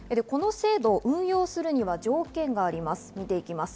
この制度を運用するには条件があります。